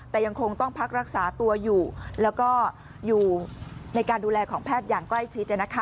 แต่ยังคงต้องพักรักษาตัวอยู่แล้วก็อยู่ในการดูแลของแพทย์อย่างใกล้ชิด